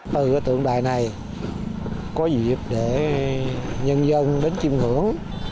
từ tượng đài này có dịp để nhân dân đến chim ngưỡng